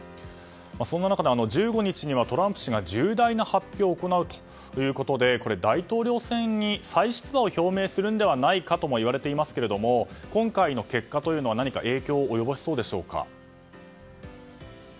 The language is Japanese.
そんな中、１５日にはトランプ氏が重大な発表を行うということで大統領選再出馬を表明するのではないかともいわれていますが今回の結果というのは何か影響を及ぼしそうでしょうか。